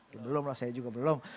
ya belum lah saya juga belum